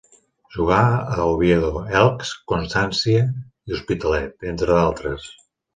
Jugà a Oviedo, Elx, Constància i Hospitalet, entre d'altres.